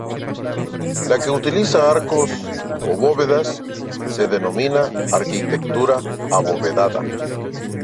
La que utiliza arcos o bóvedas se denomina "arquitectura abovedada".